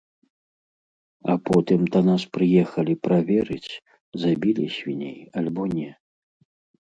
А потым да нас прыехалі праверыць, забілі свіней альбо не.